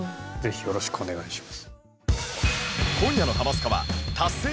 よろしくお願いします